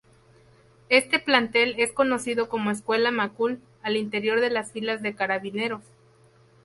Este Plantel es conocido como "Escuela Macul" al interior de las filas de Carabineros.